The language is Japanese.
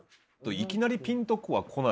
いきなりピンとは来ない。